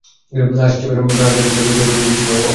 আর Stephen রাজের মৃত্যুর পর দুজনই অজ্ঞাতবাসে গিয়েছে।